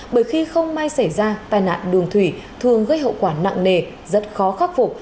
bởi khi không may xảy ra tai nạn đường thủy thường gây hậu quả nặng nề rất khó khắc phục